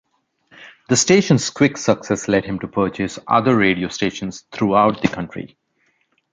The station's quick success led him to purchase other radio stations throughout the country.